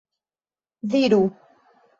diru